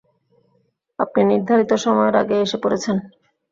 আপনি নির্ধারিত সময়ের আগেই এসে পড়েছেন।